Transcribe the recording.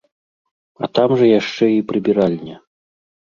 А там жа яшчэ і прыбіральня.